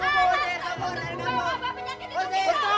bapak penyakit itu kira kira